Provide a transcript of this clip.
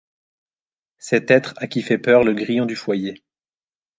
Cet être à qui fait peur le grillon du foyer ;